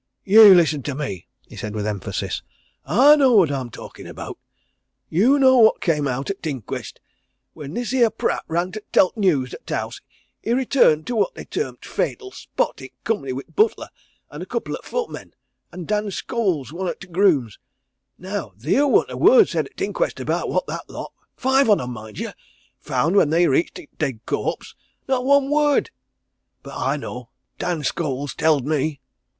"Ye listen to me!" he said with emphasis. "I know what I'm talking about. Ye know what came out at t' inquest. When this here Pratt ran to tell t' news at t' house he returned to what they term t' fatal spot i' company wi' t' butler, and a couple of footmen, and Dan Scholes, one o' t' grooms. Now theer worn't a word said at t' inquest about what that lot five on em, mind yer found when they reached t' dead corpse not one word! But I know Dan Scholes tell'd me!"